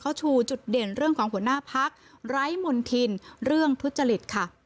ก็ชูจุดเด่นเรื่องของผลหน้าภักร์ไร้มุนทินทุจริตค่ะ